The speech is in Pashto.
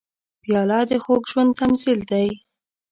پیاله د خوږ ژوند تمثیل دی.